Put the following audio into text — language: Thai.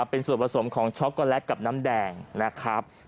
เป็นส่วนผสมของช็อกโกแลตกับน้ำแดงนะครับ